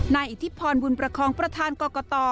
นายอิทธิพรบุรณประคองประธานกต